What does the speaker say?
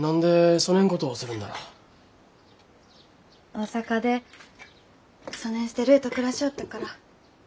大阪でそねんしてるいと暮らしょおったから。